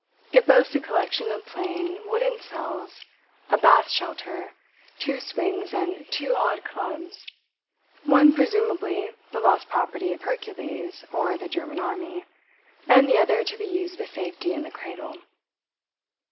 It boasts a collection of plain, wooden cells, a bath shelter, two swings and two odd clubs—one, presumably the lost property of Hercules or the German army, and the other to be used with safety in the cradle.